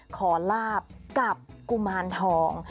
ขอลาบกับกุมารทอง